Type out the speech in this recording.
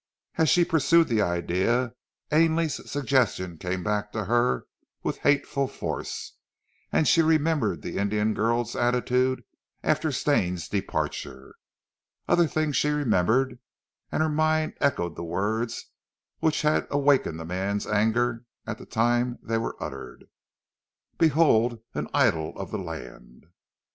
As she pursued the idea Ainley's suggestions came back to her with hateful force, and she remembered the Indian girl's attitude after Stane's departure. Other things she remembered and her mind echoed the words which had awakened the man's anger at the time they were uttered. "Behold an idyll of the land!"